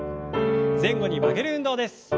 前後に曲げる運動です。